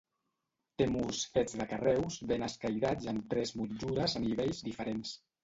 Té murs fets de carreus ben escairats amb tres motllures a nivells diferents.